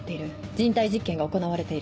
「人体実験が行われている」。